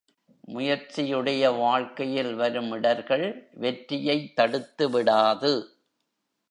முயற்சியுடைய வாழ்க்கையில் வரும் இடர்கள் வெற்றியைத் தடுத்துவிடாது.